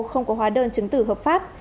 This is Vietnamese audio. không có hóa đơn chứng tử hợp pháp